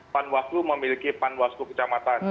panwaslu memiliki panwaslu kecamatan